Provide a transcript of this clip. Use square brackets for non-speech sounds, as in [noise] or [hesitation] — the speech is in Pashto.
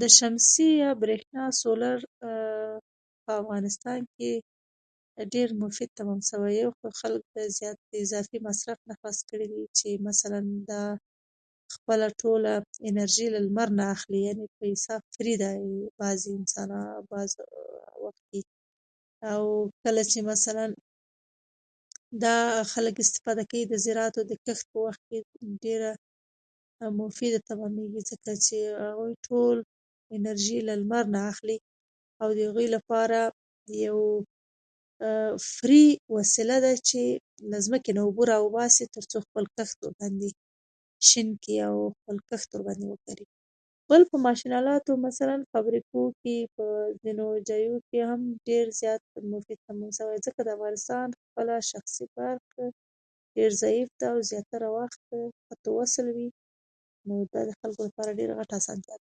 د شمسي یا برېښنا سولر [hesitation] په افغانستان کې ډېر مفید تمام شوی، او [unintelligible] خلک زیات اضافي مصرف نه خلاص کړي دي، چې مثلاً خپله ټوله انرژي له لمر نه اخلي. یعنې په حساب فري ده. بعضې انسان [hesitation] بعضې [unintelligible] او کله چې مثلاً دا خلک استفاده کوي، د زراعت او کښت په وخت کې ډېره مفیده تمامېږي، ځکه چې دوی ټوله انرژي له لمر نه اخلي، او د هغې لپاره د یو [hesitation] فري وسیله ده چې له ځمکې نه اوبه راوباسي، تر څو خپل کښت ورباندې شین کړي او خپل کښت ورباندې وکري. بل په ماشین الاتو، مثلاً په فابریکو کې، په ځینو ځایو کې هم ډېر زیات [unintelligible] ځکه د افغانستان خپله شخصي کار ټول ډېر ضعیف ده، او زیاتره په وخت په [unintelligible] وصل وي، نو خلکو لپاره ډېره غټه اسانتیا ده.